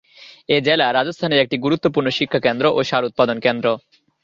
এই জেলা রাজস্থানের একটি গুরুত্বপূর্ণ শিক্ষাকেন্দ্র ও সার উৎপাদন কেন্দ্র।